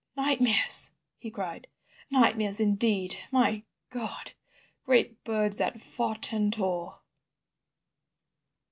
"Nightmares," he cried; "nightmares indeed! My God! Great birds that fought and tore."